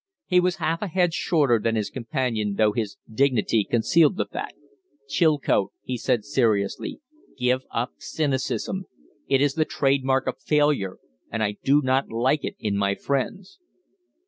He was half a head shorter than his companion, though his dignity concealed the fact. "Chilcote," he said, seriously, "give up cynicism! It is the trade mark of failure, and I do not like it in my friends."